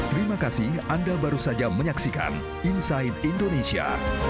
terima kasih anda baru saja menyaksikan inside indonesia